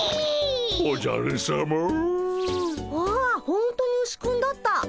ほんとにウシくんだった。